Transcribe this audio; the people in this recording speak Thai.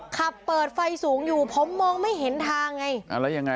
ขับเปิดไฟสูงอยู่ผมมองไม่เห็นทางไงอะไรยังไง